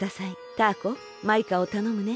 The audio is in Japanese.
タアコマイカをたのむね。